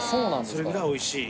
それぐらいおいしい。